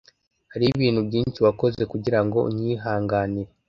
hariho ibintu byinshi wakoze kugirango unyihanganire